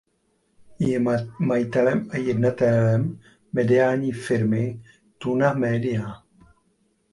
Je majitelem a jednatelem mediální firmy "Tuna Media".